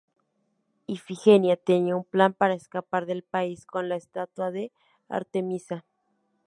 Ifigenia tiene un plan para escapar del país con la estatua de Artemisa.